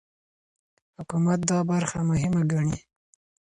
حکومت دا برخه مهمه ګڼي.